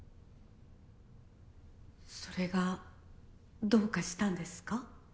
それがどうかしたんですか？